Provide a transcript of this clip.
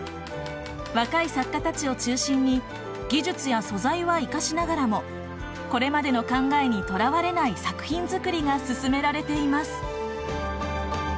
若い作家たちを中心に技術や素材は生かしながらもこれまでの考えにとらわれない作品作りが進められています。